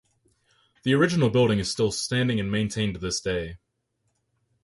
The original building is still standing and maintained to this day.